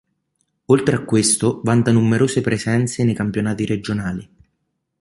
Oltre a questo, vanta numerose presenze nei campionati regionali.